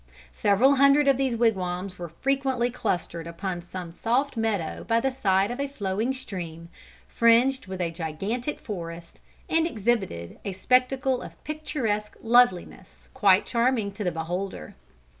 Several hundred of these wigwams were frequently clustered upon some soft meadow by the side of a flowing stream, fringed with a gigantic forest, and exhibited a spectacle of picturesque loveliness quite charming to the beholder.